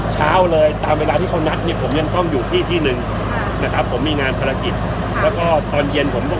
แล้วก็ตอนเย็นผมต้องอยู่ที่ที่หนึ่งอะไรอย่างเงี้ยนะฮะก็ก็โอเคนะครับ